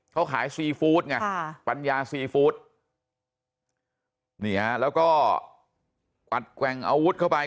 เขาขายซีฟู้ดไงปัญญาซีฟู้ดนี่ฮะแล้วก็กวัดแกว่งอาวุธเข้าไป